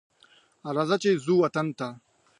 راځه چې ځو وطن ته